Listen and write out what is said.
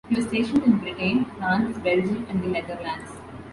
He was stationed in Britain, France, Belgium and the Netherlands.